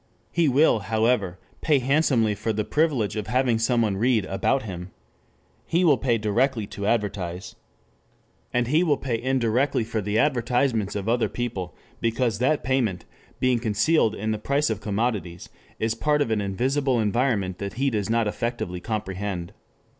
He will, however, pay handsomely for the privilege of having someone read about him. He will pay directly to advertise. And he will pay indirectly for the advertisements of other people, because that payment, being concealed in the price of commodities is part of an invisible environment that he does not effectively comprehend.